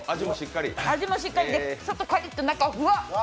味もしっかり、外カリッ、中ふわっ。